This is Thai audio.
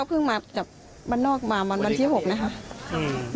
ก็เพิ่งมาจับบ้านนอกมาวันวันที่หกนะครับอืม